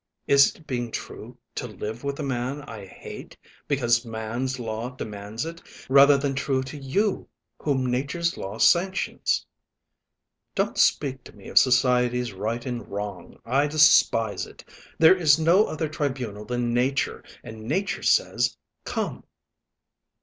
Is it being true to live with a man I hate because man's law demands it, rather than true to you whom Nature's law sanctions? Don't speak to me of society's right and wrong! I despise it. There is no other tribunal than Nature, and Nature says 'Come.'"